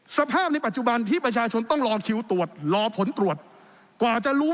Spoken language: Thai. สภาพในปัจจุบันที่ประชาชนต้องรอคิวตรวจรอผลตรวจกว่าจะรู้